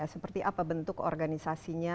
seperti apa bentuk organisasinya